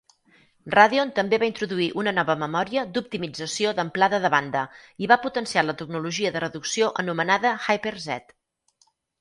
Radeon també va introduir una nova memòria d'optimització d'amplada de banda i va potenciar la tecnologia de reducció anomenada HyperZ.